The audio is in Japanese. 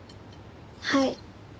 はい。